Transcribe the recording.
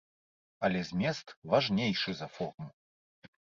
Але змест важнейшы за форму.